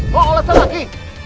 mau olasan lagi